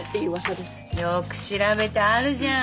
よく調べてあるじゃん。